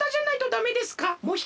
ダメです。